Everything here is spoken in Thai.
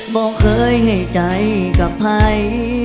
บอกเคยให้ใจกับภัย